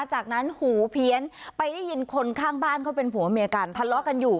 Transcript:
จากนั้นหูเพี้ยนไปได้ยินคนข้างบ้านเขาเป็นผัวเมียกันทะเลาะกันอยู่